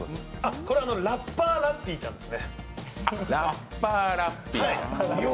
これはラッパーラッピーちゃんですね。